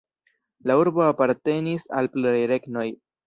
La urbo apartenis al pluraj regnoj.